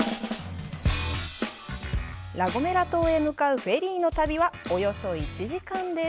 ラ・ゴメラ島へ向かうフェリーの旅は、およそ１時間です。